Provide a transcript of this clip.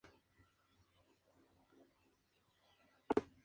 Se trata de un vaso de madera del que solo quedan algunos fragmentos.